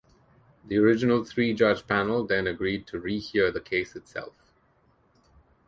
The original three-judge panel then agreed to rehear the case itself.